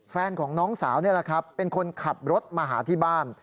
แฟนของน้องสาวนี่แหละครับเป็นคนขับรถมาหาที่บ้าน